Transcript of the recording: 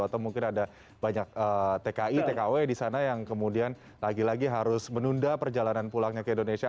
atau mungkin ada banyak tki tkw di sana yang kemudian lagi lagi harus menunda perjalanan pulangnya ke indonesia